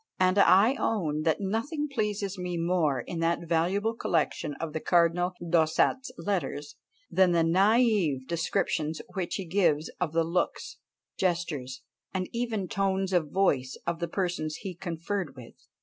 And I own that nothing pleases me more in that valuable collection of the Cardinal D'Ossat's letters, than the naïve descriptions which he gives of the looks, gestures, and even tones of voice, of the persons he conferred with."